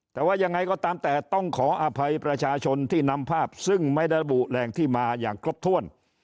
แต่ว่ายังไงก็ตามแต่ต้องขออภัยประชาชนที่นำภาพซึ่งไม่ได้ระบุแหล่งที่มาอย่างครบถ้วน